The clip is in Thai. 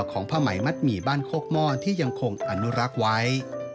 ของพระใหม่มัดหมี่บ้านโคคม่อนที่ยังคงอนุรักษ์ไว้